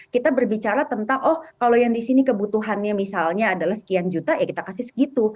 kita berbicara tentang oh kalau yang di sini kebutuhannya misalnya adalah sekian juta ya kita kasih segitu